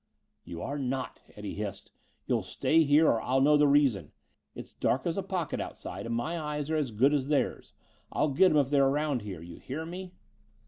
"You are not," Eddie hissed. "You'll stay here or I'll know the reason. It's dark as a pocket outside and my eyes are as good as theirs. I'll get 'em if they're around here. You hear me?"